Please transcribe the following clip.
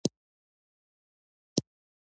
د برقرار ساتلو لپاره باید دېوال ته پام وای.